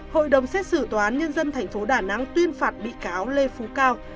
hội đồng xét xử tòa án nhân dân thành phố đà nẵng tuyên phạt bị cáo lê phú cao